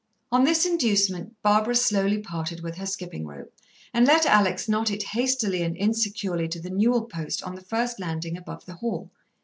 On this inducement Barbara slowly parted with her skipping rope, and let Alex knot it hastily and insecurely to the newel post on the first landing above the hall.